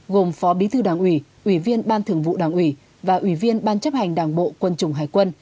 gồm phó bí thư đảng ủy ủy viên ban thường vụ đảng ủy và ủy viên ban chấp hành đảng bộ quân chủng hải quân